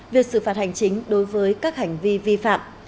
việc xử phạt hành chính đối với các hành vi vi phạm